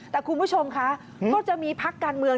แต่คุณผู้ชมคะก็จะมีพักการเมือง